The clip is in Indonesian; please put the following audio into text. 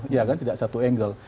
ya kan tidak satu angle